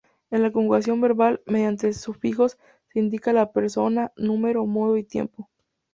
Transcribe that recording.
En la conjugación verbal, mediante sufijos se indican la persona, número, modo y tiempo.